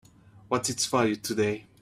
What's its value today?